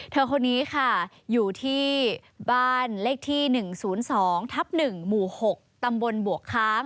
เธอคนนี้ค่ะอยู่ที่บ้านเลขที่๑๐๒ทับ๑หมู่๖ตำบลบวกค้าง